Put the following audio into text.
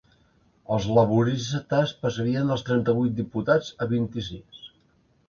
Els laboristes passarien dels trenta-vuit diputats a vint-i-sis.